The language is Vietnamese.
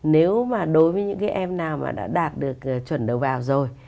nếu mà đối với những cái em nào mà đã đạt được chuẩn đầu vào rồi